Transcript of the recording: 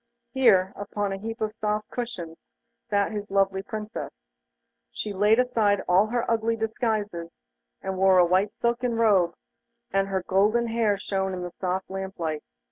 There, upon a heap of soft cushions, sat his lovely Princess. She had laid aside all her ugly disguises and wore a white silken robe, and her golden hair shone in the soft lamp light.